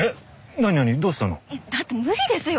なになにどうしたの？だって無理ですよ。